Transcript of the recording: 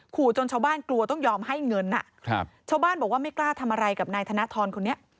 จนชาวบ้านกลัวต้องยอมให้เงินชาวบ้านบอกว่าไม่กล้าทำอะไรกับนายธนทรคนนี้